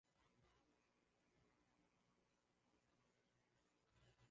mpito cha miezi kumi na moja ambapo